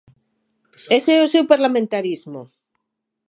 Ese é o seu parlamentarismo.